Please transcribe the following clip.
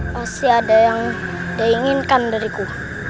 pasti ada yang diinginkan dari ku